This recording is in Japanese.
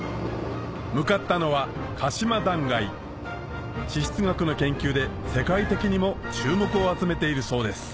向かったのは鹿島断崖地質学の研究で世界的にも注目を集めているそうです